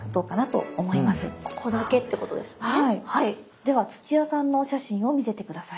では土屋さんのお写真を見せて下さい。